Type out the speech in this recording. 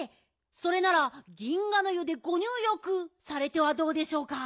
それなら銀河の湯でごにゅうよくされてはどうでしょうか？